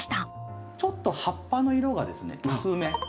ちょっと葉っぱの色がですね薄め。